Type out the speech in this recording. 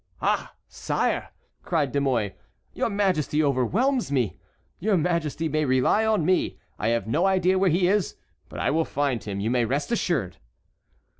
"Ah! sire," cried De Mouy, "your Majesty overwhelms me. Your Majesty may rely on me. I have no idea where he is, but I will find him, you may rest assured."